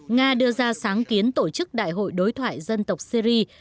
nga đưa ra sáng kiến tổ chức đại hội đối thoại dân tộc syri